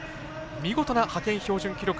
見事な派遣標準記録